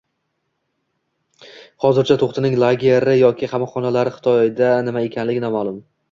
Hozircha To‘xtining lagerlari yoki qamoqxonalari Xitoyda nima ekanligi noma’lum